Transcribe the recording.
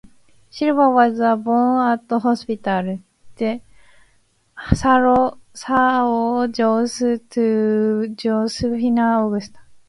Silva was born at Hospital de Sao Jose to Josefina Augusta.